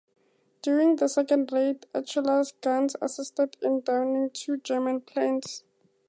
During the second raid, "Achelous"' guns assisted in downing two German planes.